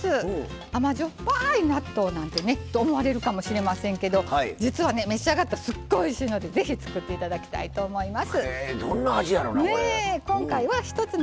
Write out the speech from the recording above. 甘じょっぱい納豆なんてって思われるかもしれないですけど実はね、召し上がったらすっごいおいしいのでぜひ作っていただきたいとどんな味やろな。